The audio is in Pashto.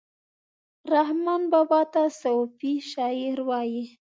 رحمان بابا ته صوفي شاعر وايي